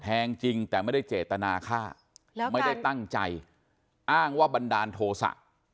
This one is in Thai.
จริงแต่ไม่ได้เจตนาฆ่าไม่ได้ตั้งใจอ้างว่าบันดาลโทษะ